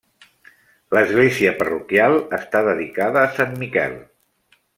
L'església parroquial està dedicada a Sant Miquel.